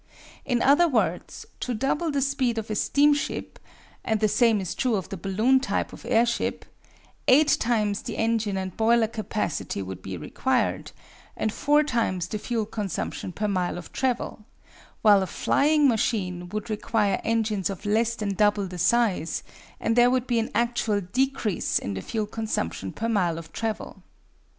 In other words, to double the speed of a steamship (and the same is true of the balloon type of airship) eight times the engine and boiler capacity would be required, and four times the fuel consumption per mile of travel; while a flying machine would require engines of less than double the size, and there would be an actual decrease in the fuel consumption per mile of travel.